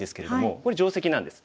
これ定石なんです。